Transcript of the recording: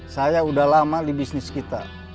saya udah lama di bisnis kita